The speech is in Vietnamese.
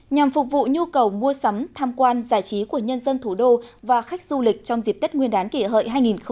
nhằm phục vụ nhu cầu mua sắm tham quan giải trí của nhân dân thủ đô và khách du lịch trong dịp tết nguyên đán kỷ hợi hai nghìn một mươi chín